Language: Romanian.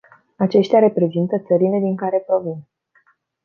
Aceștia reprezintă țările din care provin.